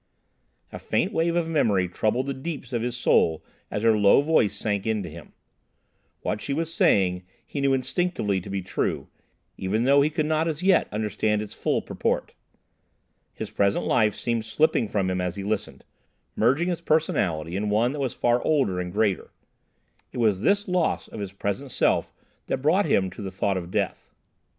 A faint wave of memory troubled the deeps of his soul as her low voice sank into him. What she was saying he knew instinctively to be true, even though he could not as yet understand its full purport. His present life seemed slipping from him as he listened, merging his personality in one that was far older and greater. It was this loss of his present self that brought to him the thought of death.